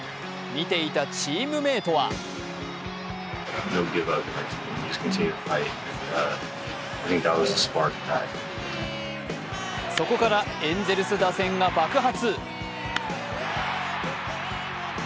見ていたチームメートはそこからエンゼルス打線が爆発。